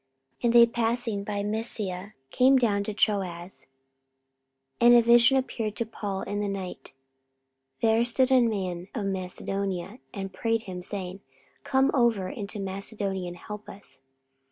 44:016:008 And they passing by Mysia came down to Troas. 44:016:009 And a vision appeared to Paul in the night; There stood a man of Macedonia, and prayed him, saying, Come over into Macedonia, and help us.